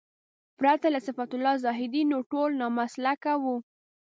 پرته له صفت الله زاهدي نور ټول نامسلکه وو.